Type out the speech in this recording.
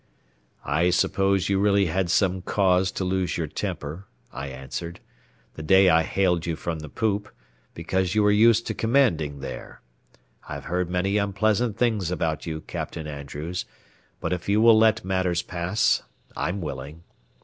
"I suppose you really had some cause to lose your temper," I answered, "the day I hailed you from the poop, because you were used to commanding there. I've heard many unpleasant things about you, Captain Andrews, but if you will let matters pass, I'm willing.